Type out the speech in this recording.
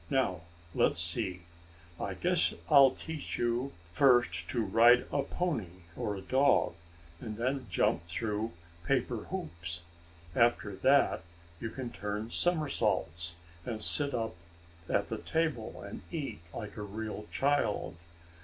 "Now let's see. I guess I'll teach you first to ride a pony, or a dog, and then jump through paper hoops. After that you can turn somersaults, and sit up at the table and eat like a real child.